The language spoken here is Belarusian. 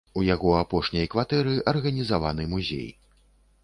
У яго апошняй кватэры арганізаваны музей.